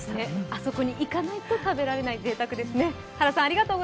あそこに行かないと食べられないぜいたくですね。